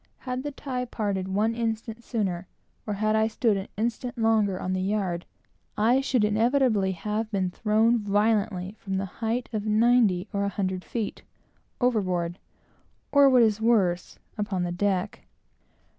Had the tie parted one instant sooner, or had I stood an instant longer on the yard, I should inevitably have been thrown violently from the height of ninety or a hundred feet, overboard; or, what is worse, upon the deck.